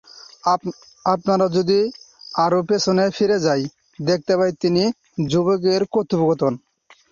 আমরা যদি আরও পেছনে ফিরে যাই, দেখতে পাই তিন যুবকের কথোপকথন।